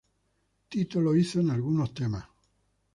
Tito lo hizo en algunos temas.